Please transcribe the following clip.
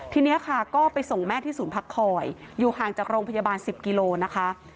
ทีนี้ค่ะก็ไปส่งแม่ที่ศูนย์พักคอยอยู่ห่างจากโรงพยาบาล๑๐กิโลนะคะ